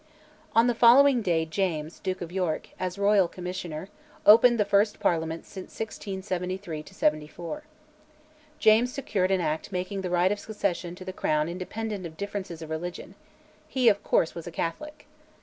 On the following day James, Duke of York, as Royal Commissioner, opened the first Parliament since 1673 74. James secured an Act making the right of succession to the Crown independent of differences of religion; he, of course, was a Catholic.